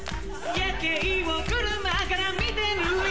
夜景を車から見てるよ